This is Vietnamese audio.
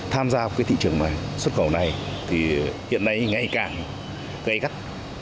tham gia vào cái thị trường xuất khẩu này thì hiện nay ngày càng gây gắt